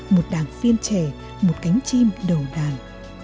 một đảng phiên trẻ một cánh chim đầu đàn